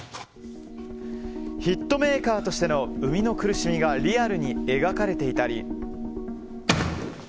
ヒットメーカーとしての生みの苦しみがリアルに描かれていたり。